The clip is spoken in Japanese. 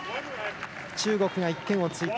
中国が１点を追加。